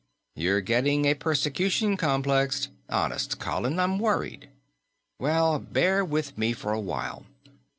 "You're getting a persecution complex. Honest, Colin, I'm worried." "Well, bear with me for a while.